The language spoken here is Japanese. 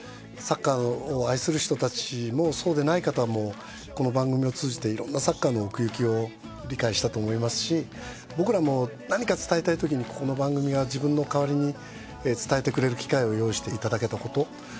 サッカーを愛する人たちもそうでない方もこの番組を通じていろんなサッカーの奥行きを理解したと思いますし僕らも何か伝えたいときにこの番組が自分の代わりに伝えてくれる機会を用意していただけたこと。